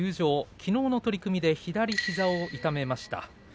きのうの取組で左の膝を痛めました。